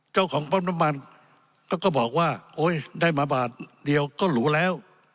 เจ้าของปั๊มน้ำมันก็บอกว่าโอ๊ยได้มาบาทเดียวก็หรูแล้ว